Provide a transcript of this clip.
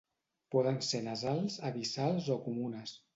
Poden ser nasals, abissals o comunes.